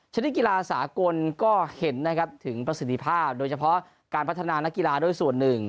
ชนิดกีฬาสากลก็เห็นนะครับถึงประสิทธิภาพโดยเฉพาะการพัฒนานักกีฬาด้วยส่วนหนึ่ง